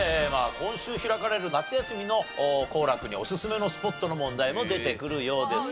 今週開かれる夏休みの行楽におすすめのスポットの問題も出てくるようです。